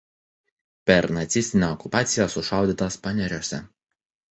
Per nacistinę okupaciją sušaudytas Paneriuose.